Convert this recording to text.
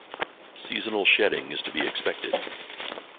Seasonal shedding is to be expected.